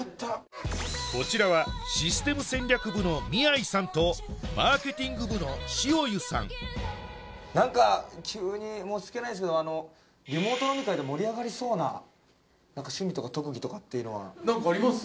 こちらはシステム戦略部の宮居さんとマーケティング部の塩湯さんなんか急に申し訳ないんですけどリモート飲み会で盛り上がりそうな趣味とか特技とかっていうのはなんかあります？